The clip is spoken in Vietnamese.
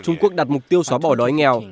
trung quốc đặt mục tiêu xóa bỏ đói nghèo